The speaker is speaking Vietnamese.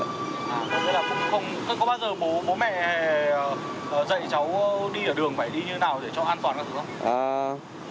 à thế là có bao giờ bố mẹ dạy cháu đi ở đường phải đi như thế nào để cho an toàn các thứ không